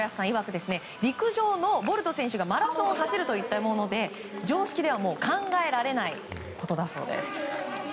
いわく陸上のボルト選手がマラソンを走るといったもので常識では考えられないことだそうです。